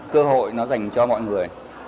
cơ hội nó dành cho mọi người